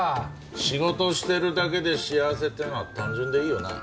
仕事してるだけで幸せっていうのは単純でいいよな。